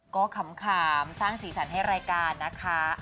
ก็ขำสร้างสีสันให้รายการนะคะ